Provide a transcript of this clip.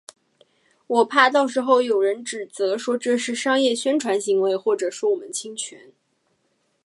我怕到时候有人指责，说这是商业宣传行为或者说我们侵权